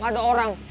gak ada orang